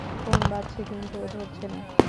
Phone বাজছে কিন্তু ও ধরছে না।